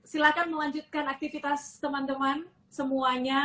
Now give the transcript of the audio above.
silahkan melanjutkan aktivitas teman teman semuanya